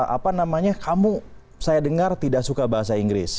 apa namanya kamu saya dengar tidak suka bahasa inggris